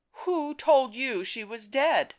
" Who told you she was dead ?"